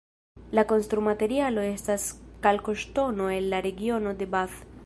La konstrumaterialo estas kalkoŝtono el la regiono de Bath.